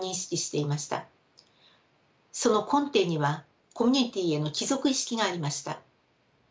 その根底にはコミュニティーへの帰属意識がありました。